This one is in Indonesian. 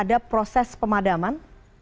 ada proses pemadaman